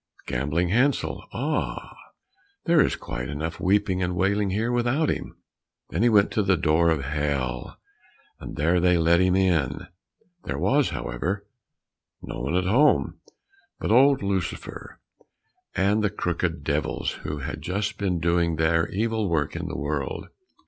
"Gambling Hansel." "Ah, there is quite enough weeping and wailing here without him. We do not want to gamble, just go away again." Then he went to the door of Hell, and there they let him in. There was, however, no one at home but old Lucifer and the crooked devils who had just been doing their evil work in the world.